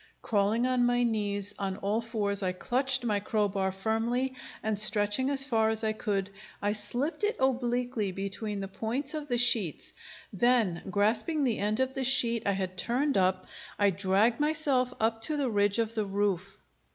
Crawling on my knees on all fours, I clutched my crowbar firmly, and stretching as far as I could, I slipped it obliquely between the points of the sheets; then, grasping the end of the sheet I had turned up, I dragged myself up to the ridge of the roof.